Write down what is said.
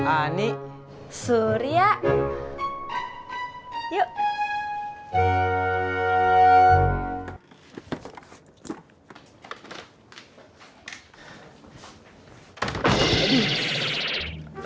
ani surya yuk